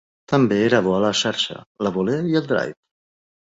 També era bo a la xarxa, la volea i el drive.